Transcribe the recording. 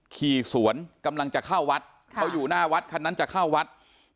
ขี่สวนกำลังจะเข้าวัดเขาอยู่หน้าวัดคันนั้นจะเข้าวัด